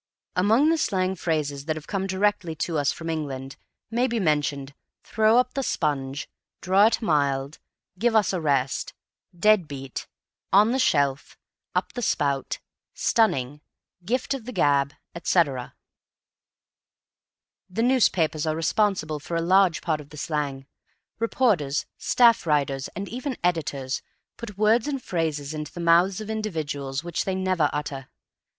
Among the slang phrases that have come directly to us from England may be mentioned "throw up the sponge," "draw it mild," "give us a rest," "dead beat," "on the shelf," "up the spout," "stunning," "gift of the gab," etc. The newspapers are responsible for a large part of the slang. Reporters, staff writers, and even editors, put words and phrases into the mouths of individuals which they never utter.